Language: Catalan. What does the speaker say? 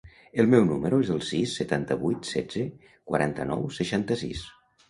El meu número es el sis, setanta-vuit, setze, quaranta-nou, seixanta-sis.